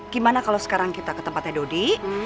gimana kalau sekarang kita ke tempatnya dodi